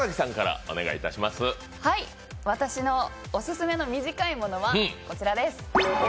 私のオススメの短いものはこちらです。